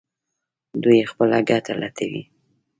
دوی خپله ګټه لټوي.